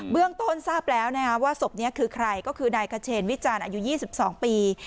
เบื้องต้นทราบแล้วนะฮะว่าศพเนี้ยคือใครก็คือนายขเฉรวิจาณอายุยี่สิบสองปี